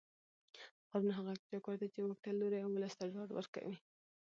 قانون هغه چوکاټ دی چې واک ته لوری او ولس ته ډاډ ورکوي